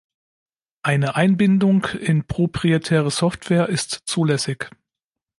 Eine Einbindung in proprietäre Software ist zulässig.